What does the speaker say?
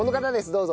どうぞ。